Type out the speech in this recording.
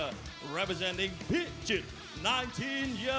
สวัสดีครับทุกคน